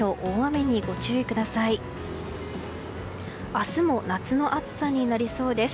明日も夏の暑さになりそうです。